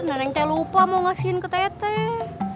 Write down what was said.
neneng teh lupa mau ngasihin ke teteh